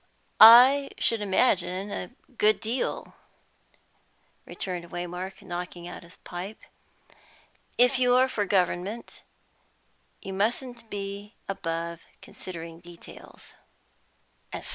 "I should imagine, a good deal," returned Waymark, knocking out his pipe. "If you're for government, you mustn't be above considering details."